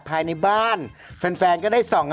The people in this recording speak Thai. พี่เอาจริงนะ